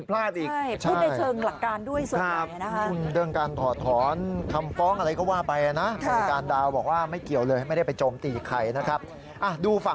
แล้วให้ข้อมูลในฐานะที่ท่านก็